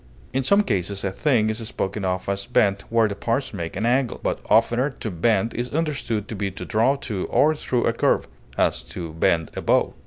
In some cases a thing is spoken of as bent where the parts make an angle; but oftener to bend is understood to be to draw to or through a curve; as, to bend a bow.